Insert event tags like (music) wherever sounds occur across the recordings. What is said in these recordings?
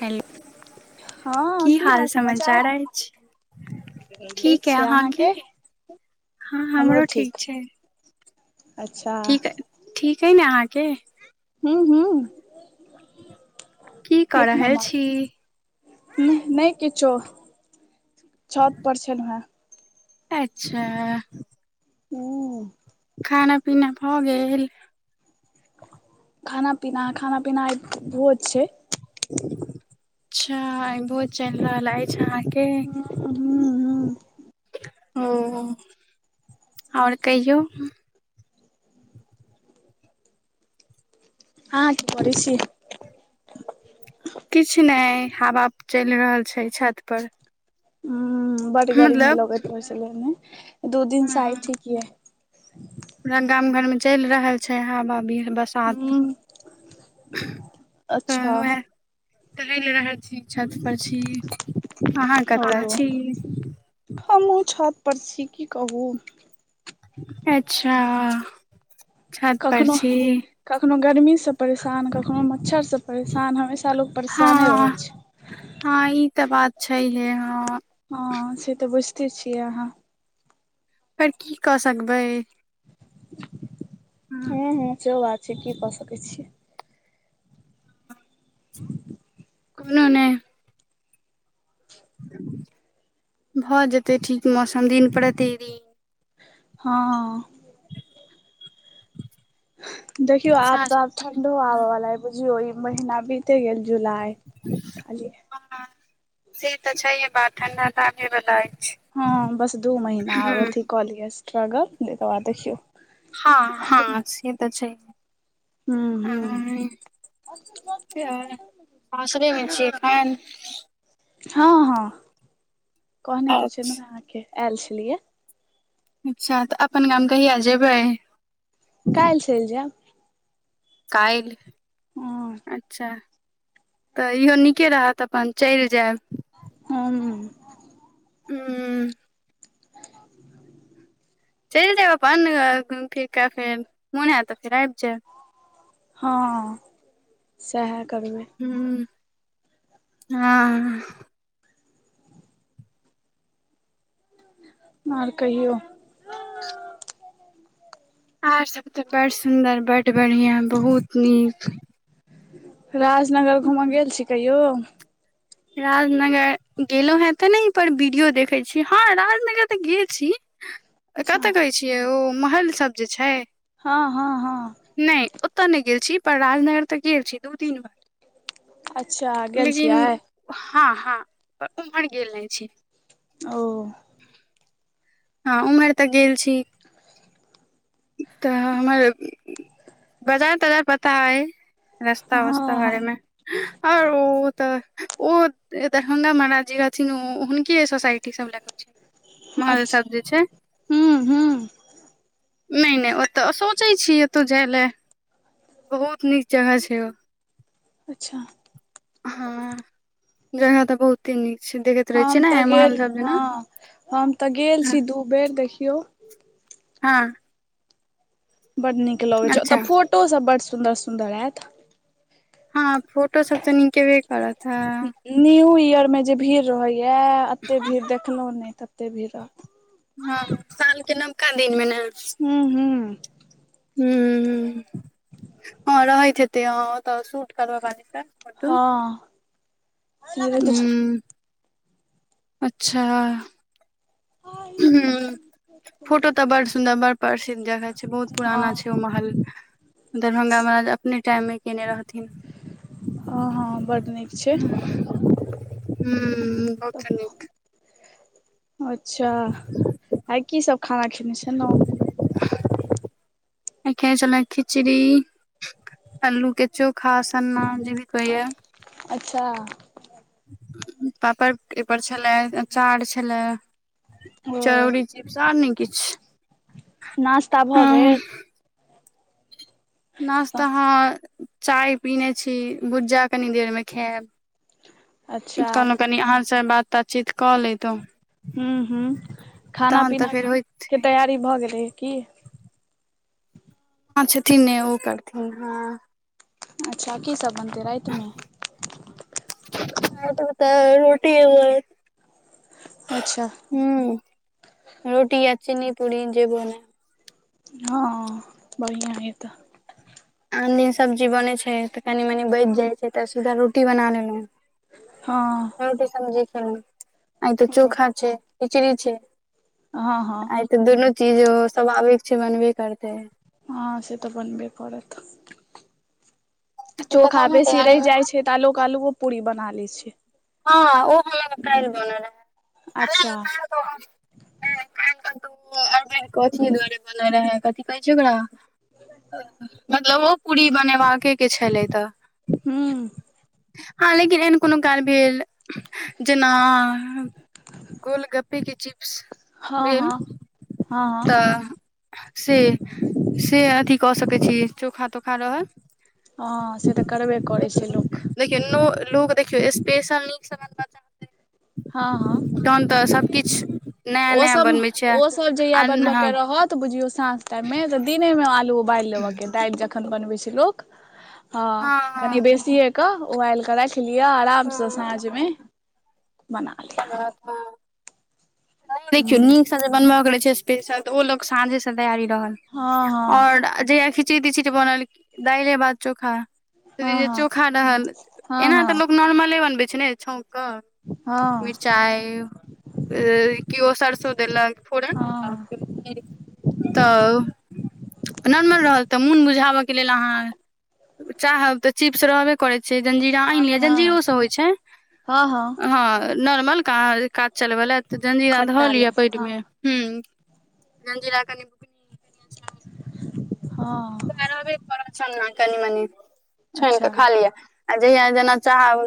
Hello हँ, की हाल हाल-समाचार? समाचार अछि ठीक छै, अहाँके? हमरो ठीक। अच्छा ठीक ठीक अइ ने अहाँके? ह्म ह्म, की कऽ एक रहल नमबर। छी नहि नइ किछो, छत पर छलहुँ हें। अच्छा उम्म। खाना पीना भऽ गेल? खाना-पीना खाना-पीना आय भोज छै। च्छा आइ भोज चलि रहल अछि अँहा के हूँ हूँ हूँ ओ आओर कहियौ। अहाँ की करै छी? किछ नइ हवा चलि रहल छै छतपर ह्म्म, बड गर्मी लगैत रहै छलै ने दू दिन से हँ आय ठीक यए। पूरा गाम घरमे चैल रहल छै हबा विहर बस हँ हूँ तऽ अच्छा (unintelligible) वएह ओ टहैल रहल छी, छतपर छी। अहाँ कतऽ छी? हमहूँ छतपर छी, की कहू। अच्छा। छत पर कखनो छी? कखनो गरमीसँ परेशान, कखनो मच्छरसँ परेशान, हमेशा लोक परेशाने रहै हँ छै। हँ ई तऽ बात छैहे, हँ। हँ से तऽ बुझिते छियै अहाँ। पर की कऽ सकबै। हँ हूँ हूँ, सेहो बात छै। की कऽ सकै छियै। (inaudible) कोनो नहि। भऽ जेतै ठीक मौसम दिन-प्रतिदिन। हँ देखियो आब तऽ सास आब ठंडो आबयवाला अइ, बुझियो ई महिना बीते गेल। जुलाई खाली हँ, से तऽ छैहे बात, ठण्ढा तऽ आबहे वाला अछि। हँ बस दू महिना आओर हूँ अथि कऽ लियस। (unintelligible) एकर बाद देखियौ। हँ हँ से तऽ छै। हूँ हूँ (unintelligible) सासुरेमे छी एखैन? हँ हँ। कहने तऽ अच्छा छलहुँ अहाँके, आएल छलियै। अच्छा तऽ अपन गाम कहिआ जेबै? काइल्ह चैल जाएब। काइल्ह, हँ अच्छा। तऽ इहो निके रहत अपन चलि जाएब। ह्म ह्म। हूं (inaudible) चलि जायब अपन घुमि फिर कऽ फेर मोन होयत तऽ फेर आबि जायब हँ सएह करबै हूं हँ आर कहियौ आर सब तऽ बड़ सुंदर बड बढ़िया बहुत नीक राजनगर घूमऽ गेल छी कहियो? राजनगर गेलौंहें तऽ नय पर वीडियो देखय छी हँ राजनगर तऽ गेल छी ह (inaudible) कतऽ कहै छियै ओ महलसभ जे छै हँ हँ हँ नहि ओतऽ नहि गेल छी पर राजनगर तऽ गेल छी दू तीन बार अच्छा गेल लेकिन छियै हँ हँ पर उम्हर गेल नहि छी ओ हँ उम्हर तऽ गेल छी तऽ हमर बाजार ताजार पता अइ रस्ता वस्ता हँ हँ बारेमे आर ओ तऽ ओ दरभंगा महाराज जे रहथिन हुनके सोसाइटी सब ल (unintelligible) महल सब अच्छा जे छै हूँ हूँ नहि नहि ओतऽ सोचै छियै ओतौ जाइ लए बहुत नीक जगह छै ओ अच्छा हँ जगह तऽ बहुते नीक छै देखैत रहै हम छियै तऽ ने महल गेल सब जेना हँ हम तऽ गेल छी दू बेर देखियौ हँ बड नीक लगे छै अच्छा ओतऽ फोटो सब बड सुंदर सुन्दर आयत हँ फोटो सऽ तऽ नीक एबे करतऽ हॅं न्यू इयरमे जे भीड़ रहैया एते भीड़ देखलहुँ नहि तते भीड़ रहत हँ सालके नवका दिनमे ने हूॅं हूँ हं हॅं रहैत हेतै ह ओतऽ शूट करबऽ बाली सबके हँ इहो बेर तऽ हूँ अच्छा हं फोटो तऽ बड़ सुन्दर बड़ पसीनगर हैत छै बहुत हँ पुराना छै ओ महल दरभंगा महाराज अपने टाइममे कयने रहथिन बड्ड नीक छै हुं बहुते नीक अच्छा आय की सब खाना खेने छलहुं आय खेने छलहुं खिचड़ी अल्लू के चोखा सन्ना जे भी कहियै अच्छा पापड़ ए पर छलै, अचार छलै। ओ चरौरी, चिप्स आर नै किछ। नाश्ता भ गेल। नाश्ता हां चाय पीने छी, भुज्जा कनि देर मे खाएब। उम्म अच्छा कहलौ कनि अहाँ से बात तात चीत कऽ लेतौ। हुं-हुं खाना-पीना फेर होइत के हेत। तैयारी भऽ गेलै की। मां छथिन ने ओ करथिन हां। अच्छा की सब बनतै राएत मे। आय पर ते रोटी और अच्छा। हुं रोटी या चिन्नी पूरी जे बना। हां बढ़ियाँ या तऽ। आन दिन सब्जी बनै छै तऽ कनि-मनि बच जाय छै तऽ सीधा रोटी बना लेलौ। हां। रोटी सब्जी खेलौ, आय ते चोखा छै, खिचड़ी छै। हां-हां। आय तऽ दुनू चीजो स्वभाविक छै, बनबे करतै। हां से तऽ बनबे करत आ पता चोखा नहि बेसी तैयारी रैह मे जाय छै। त लोेक अल्लूओ पूरी बना लै छै। हां उ हमरा लग काएल बनल अय। अच्छा। (unintelligible) हां काएल (unintelligible) कथी दुआरे बने रहै, कथी कहै छै ओकरा अ मतलब ओ पूरी बनेबाके छलै तऽ। हूँ। हां लेकिन एहन कुनू काल भेल जेना गोलगप्पे के चिप्स हँ भेल। हँ हँ हँ तऽ से, से अथी कऽ सकै छी चोखा-तोखा रहल हां से तऽ करबे करै छै लोक। देखियौ नो लोग देखियौ स्पेशल नीक से बनबा चाहते तहन तऽ सब किछ ओ सब ओ सब जहिया बनबऽ के हँ रहत बुझियौ साँझ टाइम मे तऽ दिने मे आलू उबाल लेबऽ के दाल ज खन बनबै छै लोक हां कनि हँ बेसिये के उबाल के राख लिअ अराम से साँझ मे बना लि देखियौ हूँ नीक से जे बनबा के रहै छै स्पेशल त ओ लोक साँझे से तैयारी रहल हँ हँ और जहिया खि चि तिचिट बनल दाले, भात, चोखा तभी हँ जे हँ चोखा रहल एना हँ तऽ लोक नॉर्मले बनबै छै ने छौंक क। हँ मिरचाय ए कियो सरसों देलक हँ फोरन हँ (unintelligible) तऽ नॉर्मल रहल तऽ मुन बुझाबा के लेल अहाँ चाहब तऽ चिप्स रहबे करै छै, जलजीरा आन हँ लियो, हँ जलजीरो से होय छै, हँ हँ हां। ए नॉर्मल का काज चलबै ले त जलजीरा धऽ खट्टा लिअ लए पेट हँ मे। हूँ जलजीरा कनि बुकनी कनि हँ। आ रहबे करत सन्ना कनि-मनि छइन अच्छा कऽ खा लिअ। आ जहिया जेना चाहब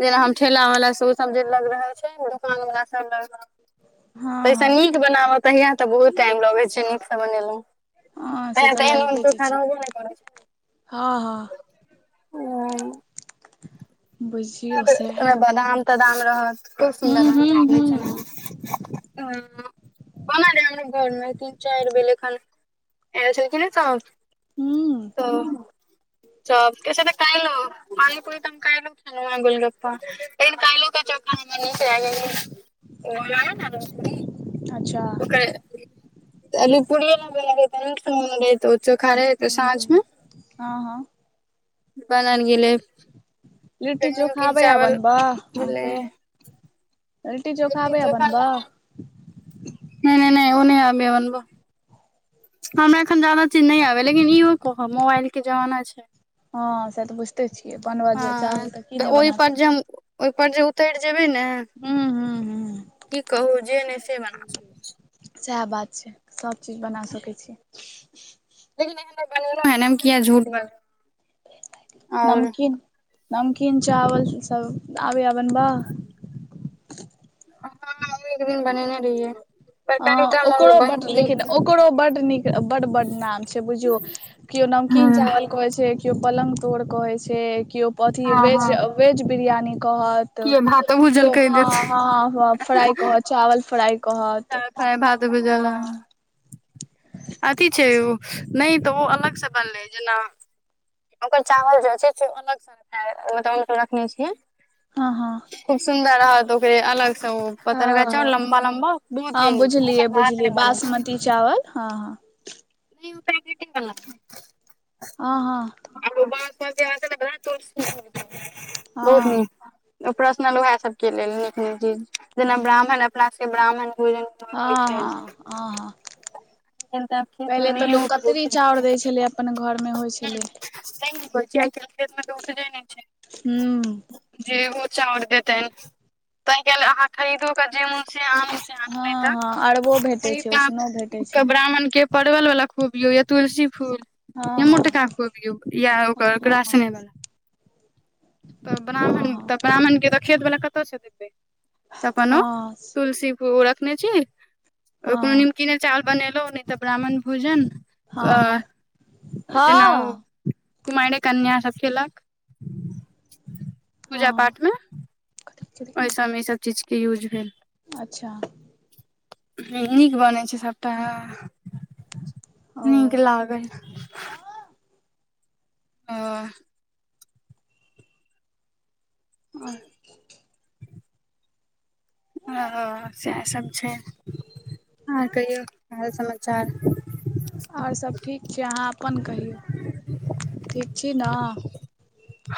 जेना हम ठेला वला सब ओ सब जे लग रहै छै ओ दुकान वला सब लग रह हँ तैय स हँ नीक बनाब तहिया तऽ बहुत टाइम लगै छै नीक स बनेलौं। हँ से तहिया तऽ एहन ओहन लगे जे चोखा छै रहबो नैय करै छै हँ (unintelligible) बुइझ मरा त ओयमे बदाम-तदाम रहत खूब सुन्दर हूँ हूँ लागत काबुली हूँ चना। हं। बनल है हमरो घरमे तीन-चाइर बेल एखन एल छेलखिनैं तऽ हूं तऽ चॉप के से तऽ काइलो पानी-पुरी तऽ हम काइलो खेलौं हैं गोलगप्पा। लेकिन काइलो के चोखा हमरा नीक लागल ये। एगो लाही न आरो पुरी। अच्छा। तऽ तऽ आलु पूरिये लै बनबै तऽ नीक स बनेबै तऽ ओ चोखा रहै तऽ साँझ हूँ ह्म हँ हँ। बनल गेलै लिट्टी फेर चोखा नीमकीन आबैया चावल बनबऽ भेलै। अहाँके लिट्टी चोखा आबैया बनबऽ? नैय नैय नैय ओ नैय आबैया बनबऽ। हमरा एखन ज्यादा चीज नैय आबैया लेकिन इहो कहब मोबाइल के जमाना छै। हँ से तऽ बुइझते छियै बनबऽ जे चाहबै तऽ की नैय बना सकै ओयपर जे उतैर जेबै ने हूँ हूँ हूँ की कहू जे नैय से बना सकै छी। सएह बात छै सभचीज बना सकै छी। लेकिन एखन तक बनेलौं हैं नै हम किया झूठ बाजु। नमकीन नमकीन चावल सब आबैया बनबऽ? (inaudible) हँ ओ एक दिन बनेने रहियै। हँ तरकारीटा हमर ओकरो बड बहिन दी लेकिन ओकरो बड नीक बड-बड नाम छै बुझियौ किओ नमकीन हँ चावल कहै छै किओ पलंग तोड़ कहय छै किओ अथी हँ वेज हँ वेज बिरयानी कह त किये भातो भूजल किओ कहि हं देतै हं हं फ्राई कहत चावल फ्राई कहत। फ्राई भात भूजलऽ। हँ अथी छै ओ नैय तऽ ओ अलग स बनलय जेना ओकर चावल जे छै से ओ अलग स रखैल मतलब ओहिन कऽ रखने छियै। हं हँ। खूब सुन्दर रहत ओकरे अलग स ओ पतरका चाउर हँ लम्बा लम्बा। बहुत हँ नीक बुझलियै ओकर भात नहि बुझलियै बनल बासमती चावल हँ हँ। नय ओ पैकेटेवला। अ हँ। तोहर ब्याह हेतौ न (unintelligible) बहुत हँ नीक। प्रसनल उहै सबके लेल नीक नीक चीज जेना ब्राह्मण अपना सबके ब्राह्मण भोजन तऽ हँ होइ हँ छैन। हँ हँ हँ तहन तऽ आब खेत में पहिले तऽ नहिये लोक उपजय कतरी चाउर दै छैन छलै अपन घरमे होइ हुं। छलै नैय नीक होइ छै आइ-काइल के डेट में तऽ उतरय नैय छै। हूं। जे ओ चाउर देतैन तहिं काल अहाँ खरीदो कऽ जे मून छै आम छै आम हँ हँ अरबो भेटै नैय छै उसनो भेटै छै तऽ (unintelligible) ब्राह्मण के परवल वाला खुअबियौ या तुलसी फूल हँ या हँ मोटका खुअबियौ या हँ ओकर हँ ग्रासने हँ वला तऽ हँ ब्राह्मण हँ तऽ ब्राह्मणके तऽ खेत वला कत्तऽ स देतय तऽ अपन ओ हँ तुलसी ओ रखने छी कुनो हँ नीमकीने चावल बनेलौं नैय तऽ ब्राह्मण भोजन अ हँ जेना ओ हँ कुमाइरे कन्या सब खेलऽक। हँ। कथी? अयसबमे ईसब चीज के युज भेल। अच्छा। हूं नीक बनय छै सबटा ओ नीक लागय ओ और? ए हँ सएहसभ छै आर कहियौ हाल-समाचार। और सब ठीक छै अहाँ अपन कहियौ ठीक छी न?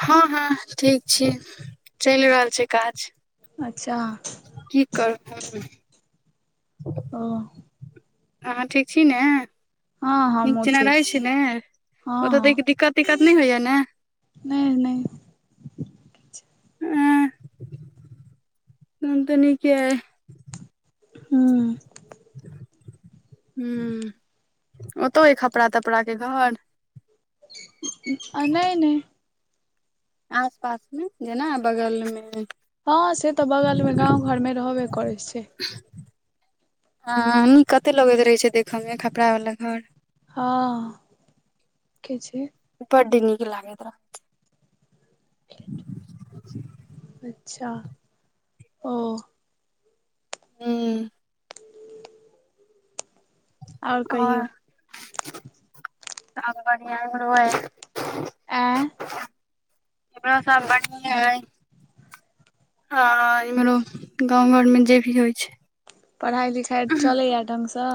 हँ हँ ठीक छी चइल रहल छैय काज। अच्छा। की कर ओ (unintelligible) अहाँ ठीक छी ने? हँ नीक हमहूँ जना ठीक रहय छी ने हँ ओतऽ दै दिक्कत-तिक्कत नैय होइया ने? नै नै। एँ तहन तऽ नीके अय। हूं। हूं ओतौ अय खपड़ा-तपड़ा के घर? अ नैय नैय। आस-पास में जेना बगल में। हँ से तऽ बगलमे गाँव घरमे रहबे करै छै। हं नीक कते लगैत रहै छै देखऽ में खपड़ा वला घर। हँ के छै? बड्ड नीक लागैत रह (unintelligible) अच्छा ओ। हूं। आओर कहियौ और (unintelligible) बढ़िआँ (unintelligible) आँय (unintelligible) सब बढ़िएँ अय। आ इम्हरो गाँंव घर में जे भी होइ छै। पढ़ाई-लिखाई चलैए ढ़ंग स?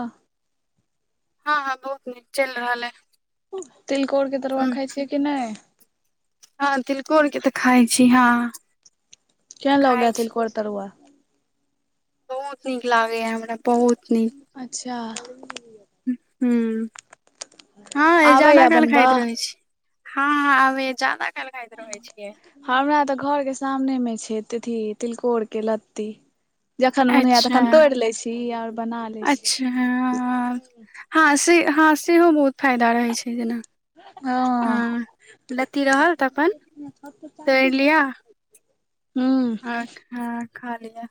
हँ हँ बहुत नीक चइल रहल अय। तिलकोरके तरुआ खाइ छियै कि नै? हँ तिलकोर के तऽ खाइ छी हँ। केहन खाइ लगैए छी तिलकोर तरुआ? बहुत नीक लागेया हमरा बहुत नीक। अच्छा- - उहु, हँ जादा आबैए काल खाइत बनबऽ रहै छी। हँ- हँ अभी जदा खल खाइत रहे छियै। हमरा तऽ घरके सामनेमे छै तथि तिलकोरके लत्ती- - जखन मोन होय अच्छा तखन तोड़ि लै छी और बना लै छी। ह- ह- ह से हाँसीहो बहुत फायदा रहै छै जेना- - हँ, लत्ती रहल तखेन तोड़लिअ- - हू- - हँ खा लिअ।